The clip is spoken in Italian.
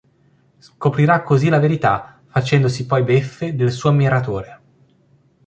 Scoprirà così la verità, facendosi poi beffe del suo ammiratore.